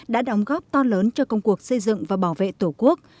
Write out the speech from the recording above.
đã đóng góp to lớn cho công cuộc xây dựng và bảo vệ tổ quốc